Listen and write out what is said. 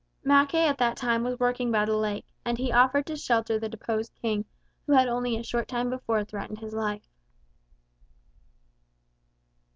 Mackay at that time was working by the lake, and he offered to shelter the deposed King who had only a short time before threatened his life.